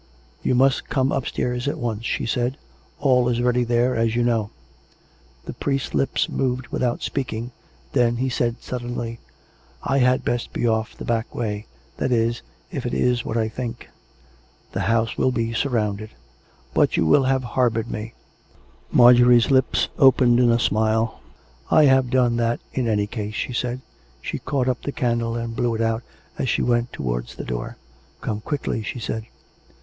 " You must come upstairs at once," she said. " All is ready there, as you know." The priest's lips moved without speaking. Then he said suddenly :" I had best be off the back way; that is, if it is what I think "" The house will be surrounded." " But you will have harboured me " Marjorie's lips opened in a smile. " I have done that in any case," she said. She caught up the candle and blew it out, as she went towards the door. " Come quickly," she said.